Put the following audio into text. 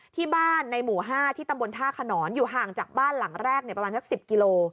ที่บ้านในหมู่๕ที่ตำบลท่าขนอนอยู่ห่างจากบ้านหลังแรกประมาณสัก๑๐กิโล